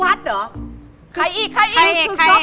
จริงคลุกนี่หรอใครอีก